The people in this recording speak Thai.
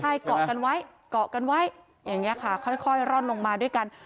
ใช่เกาะกันไว้เกาะกันไว้อย่างนี้ค่ะค่อยร่อนลงมาด้วยกัน